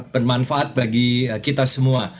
bermanfaat bagi kita semua